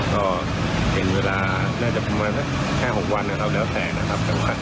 ก็เห็นเวลาน่าจะประมาณสักแค่๖วันเราแล้วแต่นะครับ